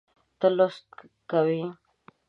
ته لوست کوې